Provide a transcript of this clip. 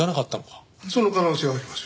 その可能性はあります。